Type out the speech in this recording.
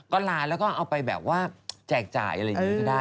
ก็ไลน์แล้วก็เอาไปแบบว่าแจกจ่ายอะไรอย่างนี้ก็ได้